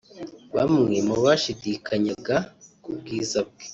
Bamwe mu bashidikanyaga ku bwiza bwe